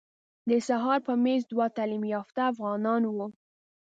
د سهار په میز دوه تعلیم یافته افغانان وو.